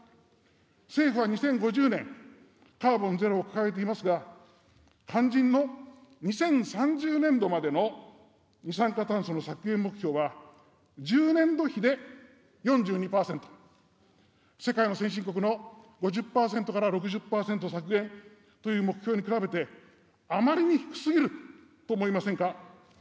政府は２０５０年カーボンゼロを掲げていますが、肝心の２０３０年度までの二酸化炭素の削減目標は、１０年度比で４２％、世界の先進国の５０％から６０％削減という目標に比べて、あまりに低すぎると思いませんか。